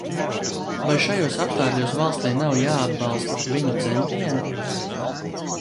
Vai šajos apstākļos valstij nav jāatbalsta viņu centieni?